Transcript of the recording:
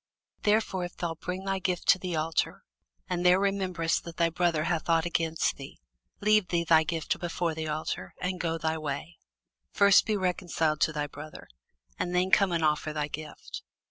Therefore if thou bring thy gift to the altar, and there rememberest that thy brother hath ought against thee; leave there thy gift before the altar, and go thy way; first be reconciled to thy brother, and then come and offer thy gift.